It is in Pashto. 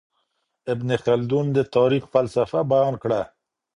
ابن خلدون د تاريخ فلسفه بيان کړه.